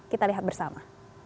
kita lihat bersama